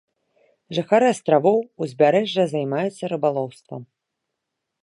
Жыхары астравоў, узбярэжжа займаюцца рыбалоўствам.